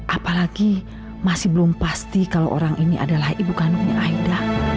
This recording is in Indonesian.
apalagi masih belum pasti kalau orang ini adalah ibu kandungnya aida